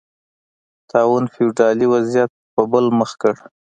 طاعون فیوډالي وضعیت په بل مخ کړ